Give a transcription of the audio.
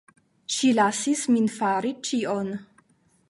Ŝi lasis min fari ĉion.